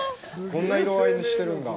こんな色合いしてるんだ。